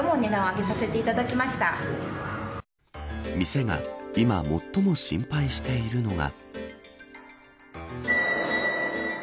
店が今最も心配しているのが。